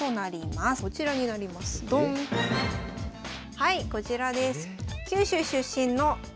はいこちらです。